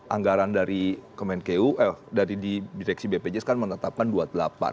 anggaran dari kementerian keuangan eh dari direksi bpjs kan menetapkan rp dua puluh delapan